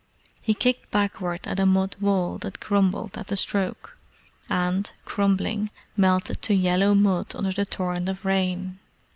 He kicked backward at a mud wall that crumbled at the stroke, and, crumbling, melted to yellow mud under the torrent of rain.